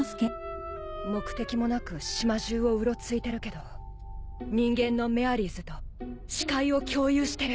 目的もなく島中をうろついてるけど人間のメアリーズと視界を共有してる。